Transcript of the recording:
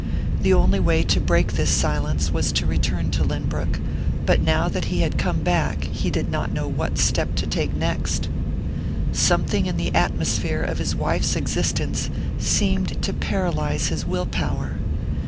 The only way to break this silence was to return to Lynbrook; but now that he had come back, he did not know what step to take next. Something in the atmosphere of his wife's existence seemed to paralyze his will power.